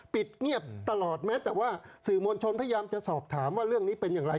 ปิดเงียบตลอดแม้แต่ว่าสื่อมวลชนพยายามจะสอบถามว่าเรื่องนี้เป็นอย่างไร